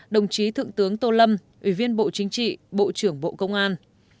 một mươi bốn đồng chí thượng tướng tô lâm ủy viên bộ chính trị bộ trưởng bộ công an